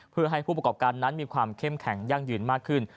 เพื่อให้ผู้ประกอบการนั้นมีความเข้มแข็งยั่งยืนมากขึ้น